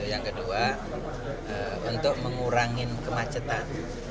yang kedua untuk mengurangi kemacetan